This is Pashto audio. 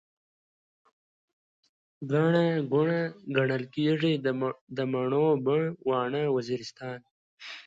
ګڼه ګوڼه، ګڼل کيږي، د مڼو بڼ، واڼه وزيرستان